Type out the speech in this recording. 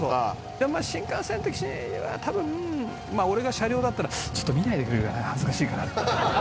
でも新幹線的には多分俺が車両だったら「ちょっと見ないでくれるかな恥ずかしいから」。